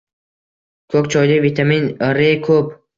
Ko‘k choyda vitamin R ko‘p.